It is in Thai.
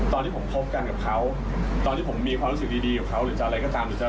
ตอนที่ผมคบกันกับเขาตอนที่ผมมีความรู้สึกดีกับเขาหรือจะอะไรก็ตามหรือจะ